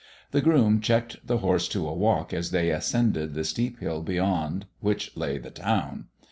The groom checked the horse to a walk as they ascended the steep hill beyond which lay the town.